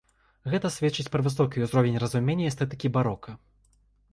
Гэта сведчыць пра высокі ўзровень разумення эстэтыкі барока.